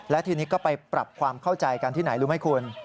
และทีนี้ก็ไปปรับความเข้าใจกันที่ไหนรู้ไหมคุณ